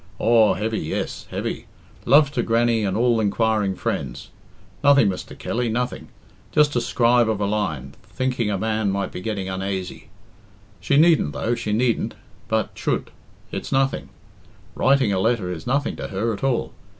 Aw, heavy, yes, heavy love to Grannie and all inquiring friends nothing, Mr. Kelly, nothing just a scribe of a line, thinking a man might be getting unaisy. She needn't, though she needn't. But chut! It's nothing. Writing a letter is nothing to her at all.